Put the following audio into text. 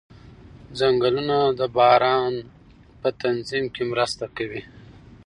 ځنګلونه د باران په تنظیم کې مرسته کوي